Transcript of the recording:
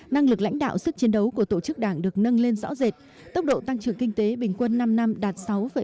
năng lực lãnh đạo sức chiến đấu của tổ chức đảng được nâng lên rõ rệt tốc độ tăng trưởng kinh tế bình quân năm năm đạt sáu bảy